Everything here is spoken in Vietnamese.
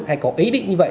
hay có ý định như vậy